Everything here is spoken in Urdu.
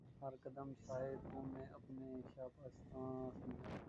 ہر قدم سائے کو میں اپنے شبستان سمجھا